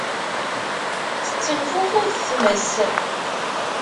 Tettenfufud tmes.